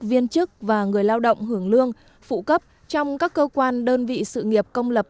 viên chức và người lao động hưởng lương phụ cấp trong các cơ quan đơn vị sự nghiệp công lập